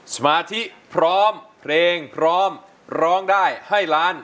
สมาธิพร้อมเพลงพร้อมร้องได้ให้ล้าน